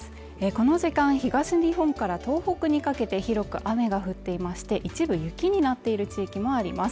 この時間東日本から東北にかけて広く雨が降っていまして、一部雪になっている地域もあります。